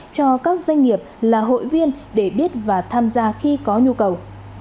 cho các doanh nghiệp là hội viên để biết và tham gia khi có nhu cầu